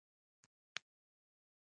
پلار يې بيا ور ودانګل.